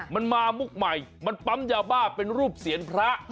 มันมามุกใหม่มันปั๊มยาบ้าเป็นรูปเสียนพระ